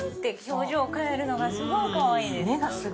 表情を変えるのがすごい可愛いです。